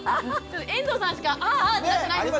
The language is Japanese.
遠藤さんしかああってなってないんですけど。